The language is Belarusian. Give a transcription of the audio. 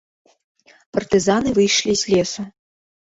Партызаны выйшлі з лесу.